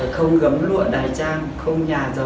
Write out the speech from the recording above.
không gấm lụa đài trang